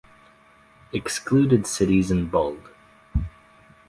Excluded cities in bold.